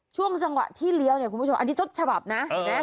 ช่วงจังหวะที่เลี้ยวเนี่ยคุณผู้ชมอันนี้ต้นฉบับนะเห็นไหม